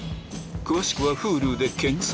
詳しくはＨｕｌｕで検索